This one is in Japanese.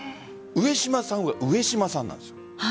上島さんは上島さんなんです。